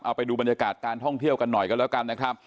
เอาไปดูบรรยากาศการท่องเที่ยวกันหน่อยกันแล้วกันนะครับ